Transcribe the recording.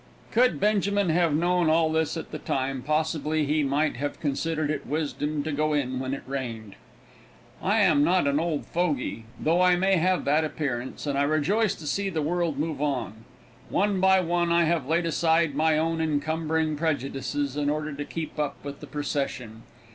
Could Benjamin have known all this at the time, possibly he might have considered it wisdom to go in when it rained. I am not an old fogy, though I may have that appearance, and I rejoice to see the world move on. One by one I have laid aside my own encumbering prejudices in order to keep up with the procession.